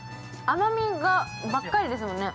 ◆甘みが、ばっかりですもんね。